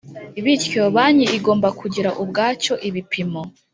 Bityo banki igomba kugira ubwacyo ibipimo